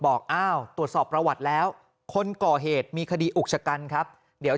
บอกอ้าวตรวจสอบประวัติแล้วคนก่อเหตุมีคดีอุกชะกันครับเดี๋ยว